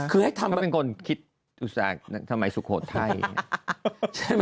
เขาเป็นคนคิดอุตส่าห์ทำไมสุโขทไทย